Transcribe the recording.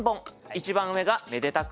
一番上がめでたく